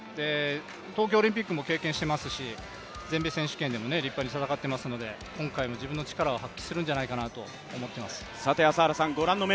東京オリンピックも経験していますし、全米選手権でも立派に戦っていますので今回も自分の力を発揮するんじゃないかなと思ってます。